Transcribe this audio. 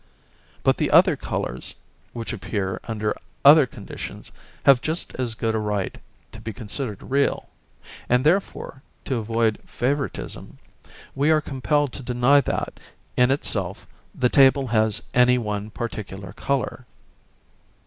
But the other colours which appear under other conditions have just as good a right to be considered real; and therefore, to avoid favouritism, we are compelled to deny that, in itself, the table has any one particular colour.